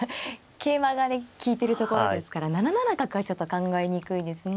桂馬が利いてるところですから７七角はちょっと考えにくいですが。